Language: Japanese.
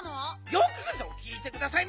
よくぞきいてくださいました！